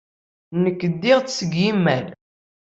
Nekk ddiɣ-d seg yimal.